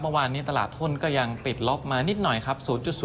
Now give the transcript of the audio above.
เมื่อวานนี้ตลาดทุนก็ยังปิดล็อกมานิดหน่อยครับ๐๐